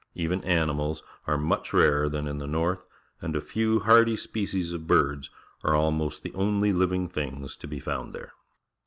Even animals are much rarer than in the north, and a few hardy species of birds are almost the only living things to be found there.